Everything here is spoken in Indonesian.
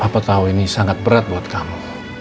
apa kau ini sangat berat buat kamu